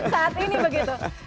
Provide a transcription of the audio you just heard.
saat ini begitu